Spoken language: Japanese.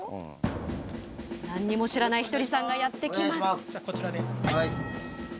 何にも知らないひとりさんがやって来ます。